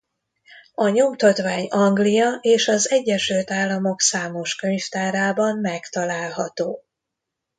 A nyomtatvány Anglia és az Egyesült Államok számos könyvtárában megtalálható.